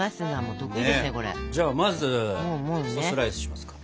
じゃあまずスライスしますか。